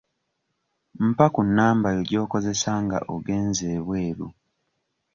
Mpa ku namba yo gy'okozesa nga ogenze ebweru.